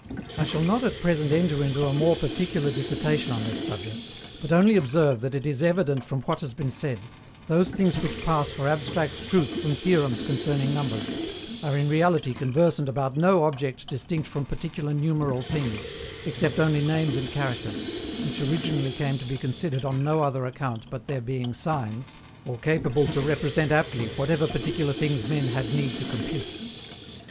I shall not at present enter into a more particular dissertation on this subject, but only observe that it is evident from what has been said, those things which pass for abstract truths and theorems concerning numbers, are in reality conversant about no object distinct from particular numeral things, except only names and characters, which originally came to be considered on no other account but their being signs, or capable to represent aptly whatever particular things men had need to compute.